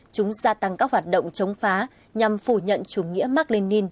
chúng gia tăng các hoạt động chống phá nhằm phủ nhận chủ nghĩa mark lenin